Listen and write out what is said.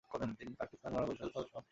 তিনি পাকিস্তান গণপরিষদের সদস্য হন।